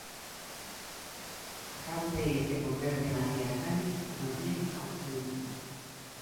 Acabo de ir e volver de Madrid a Cádiz no día a un xuízo.